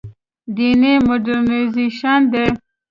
دیني مډرنیزېشن دی.